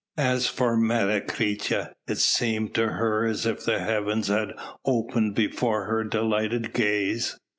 As for Menecreta, it seemed to her as if the heavens had opened before her delighted gaze.